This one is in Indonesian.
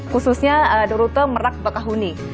khususnya di rute merak bakahuni